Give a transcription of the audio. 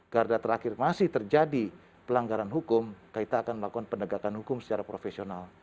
karena terakhir masih terjadi pelanggaran hukum kita akan melakukan penegakan hukum secara profesional